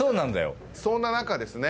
そんな中ですね。